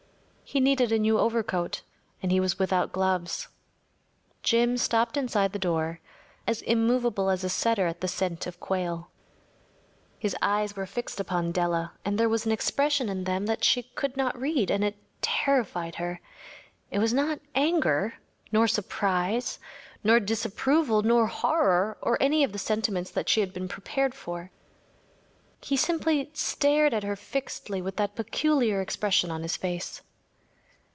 He needed a new overcoat and he was without gloves. Jim stopped inside the door, as immovable as a setter at the scent of quail. His eyes were fixed upon Della, and there was an expression in them that she could not read, and it terrified her. It was not anger, nor surprise, nor disapproval, nor horror, nor any of the sentiments that she had been prepared for. He simply stared at her fixedly with that peculiar expression on his face.